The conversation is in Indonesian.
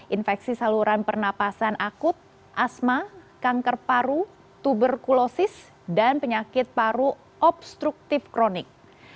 infeksi saluran pernapasan akut asma kanker paru tuberkulosis dan penyakit paru obstruktif kronik